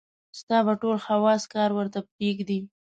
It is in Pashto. ستا به ټول حواص کار ورته پرېږدي.